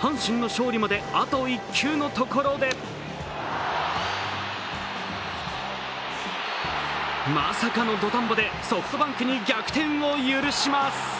阪神の勝利まで、あと１球のところでまさかの土壇場でソフトバンクに逆転を許します。